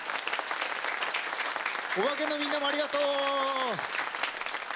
おばけのみんなも、ありがとう！